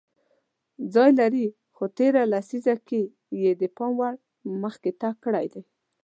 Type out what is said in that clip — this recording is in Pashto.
ځای لري خو تېره لیسزه کې یې د پام وړ مخکې تګ کړی دی